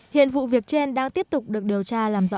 hiện vụ việc trên đang tiếp tục được điều tra làm rõ